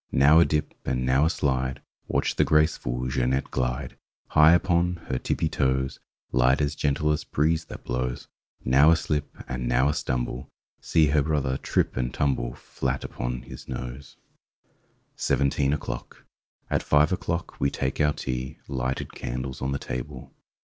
Now a dip and now a slide— Watch the graceful Jeanette glide! High upon her tippy toes, Light as gentlest breeze that blows. Now a slip and now a stumble— See her brother trip and tumble Elat upon his nose! 41 SIXTEEN O'CLOCK 43 SEVENTEEN O'CLOCK 4T five o'clock we take our tea; xX Lighted candles on the table.